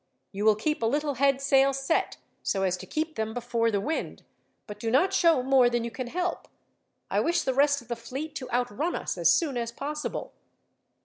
You will keep a little head sail set, so as to keep them before the wind; but do not show more than you can help. I wish the rest of the fleet to outrun us, as soon as possible."